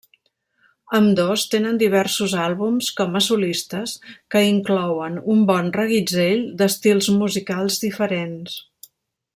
Ambdós tenen diversos àlbums com a solistes que inclouen un bon reguitzell d'estils musicals diferents.